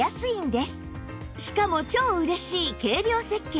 しかも超嬉しい軽量設計